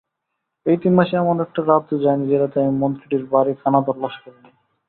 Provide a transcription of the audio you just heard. এই তিন মাসে এমন একটা রাতও যায়নি যে-রাতে আমি মন্ত্রীটির বাড়ি খানাতল্লাশ করিনি।